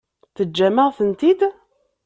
Teǧǧam-aɣ-tent-id?